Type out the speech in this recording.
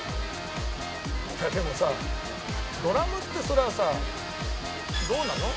でもさドラムってそれはさどうなの？